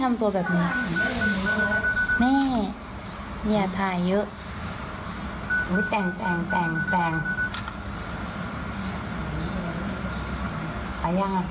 ไม่เห็นมันของลงมา